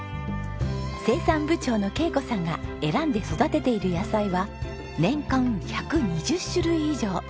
生産部長の恵子さんが選んで育てている野菜は年間１２０種類以上。